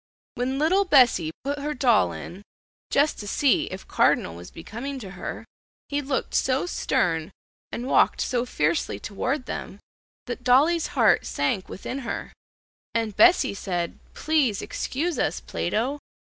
When little Bessie put her doll in, "just to see if cardinal was becoming to her," he looked so stern and walked so fiercely toward them that dolly's heart sank within her, and Bessie said, "Please excuse us, Plato."